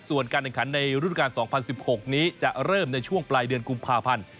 ส่วนการแข่งขันในรุ่นการ๒๐๑๖นี้จะเริ่มในช่วงปลายเดือนกุมภาพันธ์